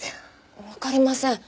わかりません。